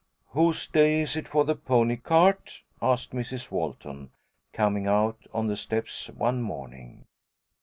"Whose day is it for the pony cart?" asked Mrs. Walton, coming out on the steps one morning.